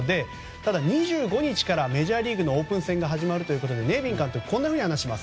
ただ、２５日からメジャーリーグのオープン戦が始まるということでネビン監督こんなふうに話します。